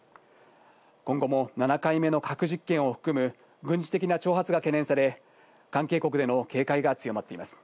今後も７回目の核実験を含む軍事的な挑発が懸念され、関係国での警戒が強まっています。